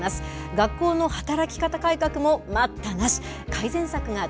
学校の働き方改革も待ったなし。